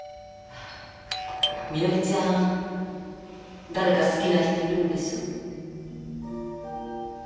みのりちゃん誰か好きな人いるんでしょ？